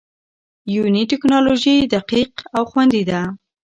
یوني ټېکنالوژي دقیق او خوندي ده.